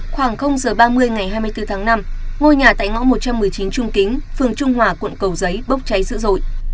khoảng giờ ba mươi ngày hai mươi bốn tháng năm ngôi nhà tại ngõ một trăm một mươi chín trung kính phường trung hòa quận cầu giấy bốc cháy dữ dội